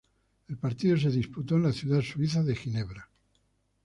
El partido se disputó en la ciudad suiza de Ginebra.